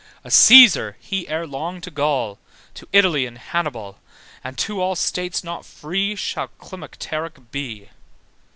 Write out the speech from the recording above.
A C&aelig.sar, he, ere long to Gaul, To Italy an Hannibal, And to all states not free Shall climactéric be.